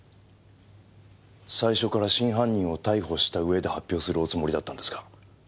最初から真犯人を逮捕したうえで発表するおつもりだったんですか？